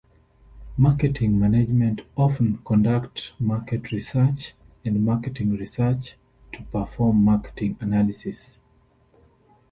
Marketing management often conduct market research and marketing research to perform marketing analysis.